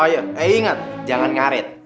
oh iya eh inget jangan ngaret